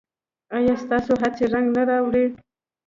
ایا ستاسو هڅې رنګ نه راوړي؟